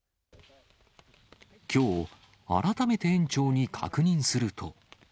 きょう、改めて園長に確認すると。